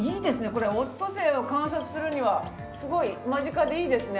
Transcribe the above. これオットセイを観察するにはすごい間近でいいですね。